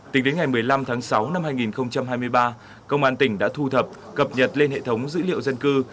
tính đến ngày một mươi năm tháng sáu năm hai nghìn hai mươi ba công an tỉnh đã thu thập cập nhật lên hệ thống dữ liệu dân cư